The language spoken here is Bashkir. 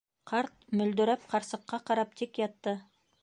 Ҡарт мөлдөрәп ҡарсыҡҡа ҡарап тик ятты.